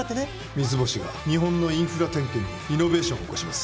三ツ星が日本のインフラ点検にイノベーションを起こします。